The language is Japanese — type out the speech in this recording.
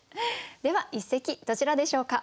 では一席どちらでしょうか？